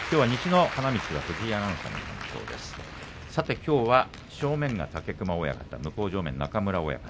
きょうは正面が武隈親方向正面が中村親方